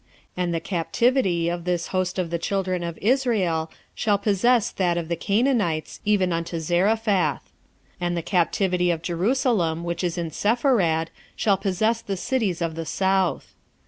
1:20 And the captivity of this host of the children of Israel shall possess that of the Canaanites, even unto Zarephath; and the captivity of Jerusalem, which is in Sepharad, shall possess the cities of the south.